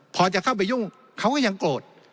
พอจะเข้าไปยุ่งเขาก็ยังโกรธ